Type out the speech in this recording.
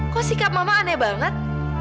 kok sikap mama aneh banget